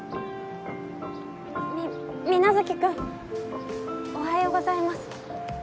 み皆月君おはようございます。